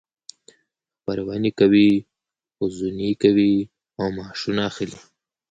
خپرونې کوي، غزونې کوي او معاشونه اخلي.